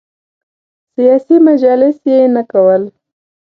سیاسي مجالس یې نه کول.